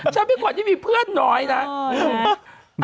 ฉันไม่ควรที่มีเพื่อนน้อยน่ะ